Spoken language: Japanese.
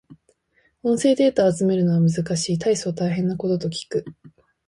音声データを集めるのは難しい。大層大変なことと聞く。